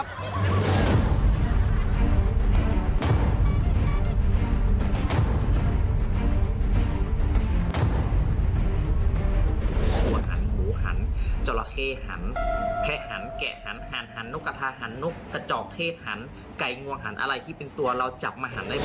แผะหันแกะหันหันหันนกกระทะหันนกกระจอกเทศหันไก่งวงหันอะไรที่เป็นตัวเราจับมาหันได้